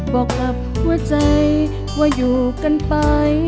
บอกกับหัวใจว่าอยู่กันไป